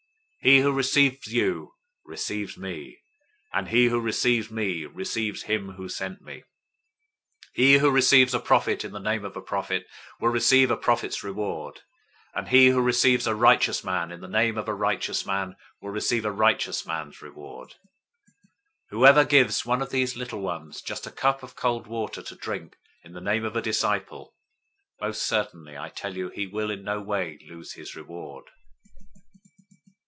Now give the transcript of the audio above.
010:040 He who receives you receives me, and he who receives me receives him who sent me. 010:041 He who receives a prophet in the name of a prophet will receive a prophet's reward: and he who receives a righteous man in the name of a righteous man will receive a righteous man's reward. 010:042 Whoever gives one of these little ones just a cup of cold water to drink in the name of a disciple, most certainly I tell you he will in no way lose his reward."